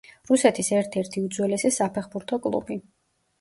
რუსეთის ერთ-ერთი უძველესი საფეხბურთო კლუბი.